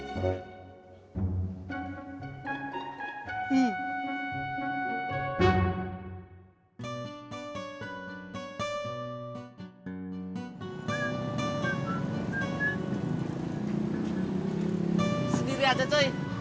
sendiri aja coy